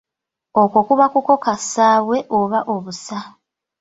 Okwo kuba kukoka ssaabwe oba obusa.